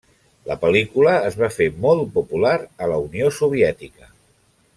La pel·lícula es va fer molt popular a la Unió Soviètica.